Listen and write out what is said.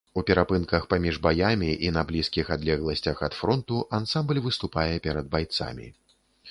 У перапынках паміж баямі і на блізкіх адлегласцях ад фронту ансамбль выступае перад байцамі.